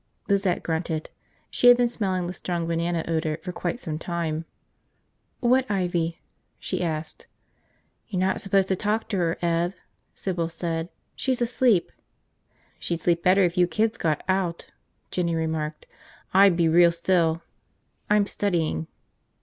Lizette grunted. She had been smelling the strong banana odor for quite some time. "What ivy?" she asked. "You're not supposed to talk to her, Ev," Sybil said. "She's asleep." "She'd sleep better if you kids got out," Jinny remarked. "I'd be real still. I'm studying."